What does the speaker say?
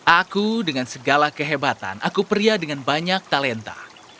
aku dengan segala kehebatan aku pria dengan banyak talenta